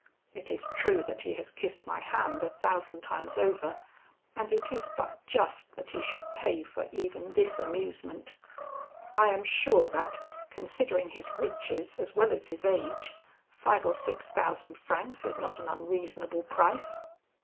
It is true that he has kissed my hand a thousand times over, and it is but just that he should pay for even this amusement: I am sure that, considering his riches as well as his age, five or six thousand francs is not an unreasonable price!'